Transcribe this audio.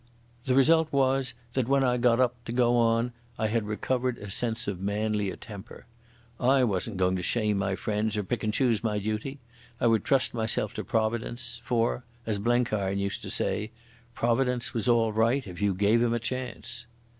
The result was that when I got up to go on I had recovered a manlier temper. I wasn't going to shame my friends or pick and choose my duty. I would trust myself to Providence, for, as Blenkiron used to say, Providence was all right if you gave him a chance.